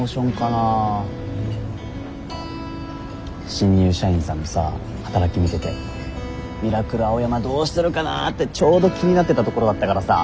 新入社員さんのさ働き見ててミラクル青山どうしてるかなってちょうど気になってたところだったからさ。